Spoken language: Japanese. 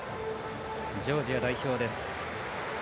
ジョージア代表です。